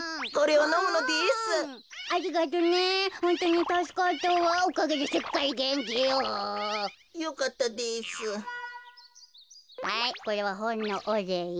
はいこれはほんのおれい。